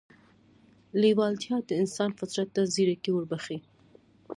لېوالتیا د انسان فطرت ته ځيرکي وربښي.